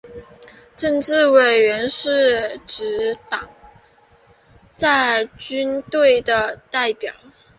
政治委员是执政党在军队的代表。